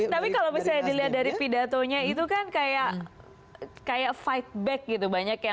tapi kalau bisa dilihat dari pidatonya itu kan kayak fight back gitu